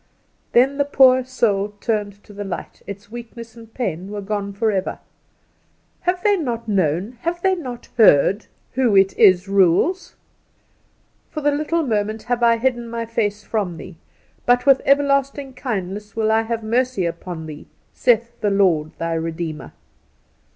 Then the poor soul turned to the light its weakness and pain were gone forever. Have they not known, have they not heard, who it is rules? "For a little moment have I hidden my face from thee; but with everlasting kindness will I have mercy upon thee, saith the Lord thy Redeemer."